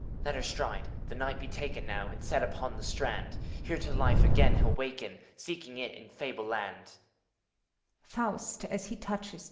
HOMUNCULUS. Let her stride ! The knight be taken Now, and set upon the strand: Here to life again he'll waken, Seeking it in fable land.